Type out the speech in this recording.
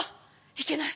いけない！